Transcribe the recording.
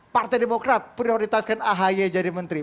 partai demokrat prioritaskan ahy jadi menteri